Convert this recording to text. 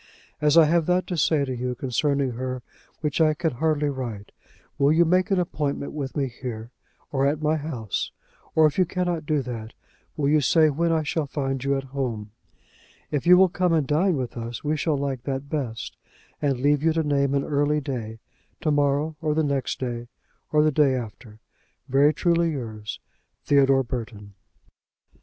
As I have that to say to you concerning her which I can hardly write, will you make an appointment with me here, or at my house? Or, if you cannot do that, will you say when I shall find you at home? If you will come and dine with us we shall like that best, and leave you to name an early day: to morrow, or the next day, or the day after. Very truly yours, THEODORE BURTON.